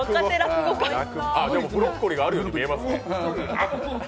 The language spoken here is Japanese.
でも、ブロッコリーがあるように見えますね。